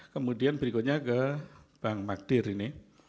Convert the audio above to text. kemudian berikutnya ke bang magdir ini